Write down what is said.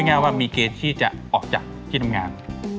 ง่ายว่ามีเกณฑ์ที่จะออกจากที่ทำงาน